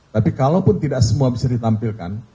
tapi kalaupun tidak semua bisa ditampilkan